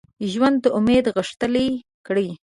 ژوند ته امید غښتلی کړي